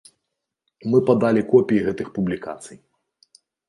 Мы падалі копіі гэтых публікацый.